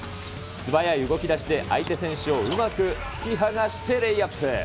素早い動きだしで相手選手をうまく引き離してレイアップ。